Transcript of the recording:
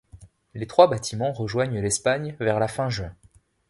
Les trois bâtiments rejoignent l'Espagne vers la fin juin.